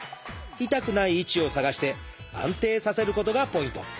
痛くない位置を探して安定させることがポイント。